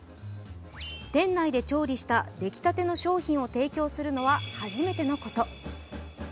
店内で調理した、できたての商品を提供するのは初めてのこと。